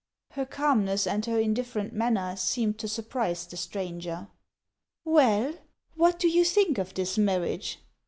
Her calmness, and her indifferent manner, seemed to surprise the stranger. " Well, what do you think of this marriage